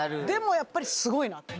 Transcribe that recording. でもやっぱりすごいな。